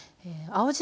青じ